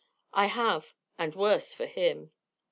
"I have, and worse for him."